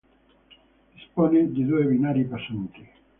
Dispone di due binari passanti.